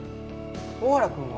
大原君は？